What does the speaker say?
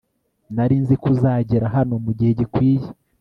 nari nzi ko uzagera hano mugihe gikwiye